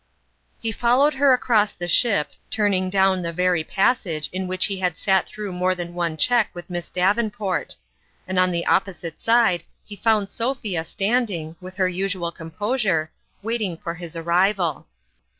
He followed her across the ship, turning down the very passage in which he had sat 168 through more than one cheque with Miss Davenport ; and on the opposite side he found Sophia standing, with her usual composure, waiting for his arrival.